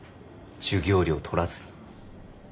授業料取らずに。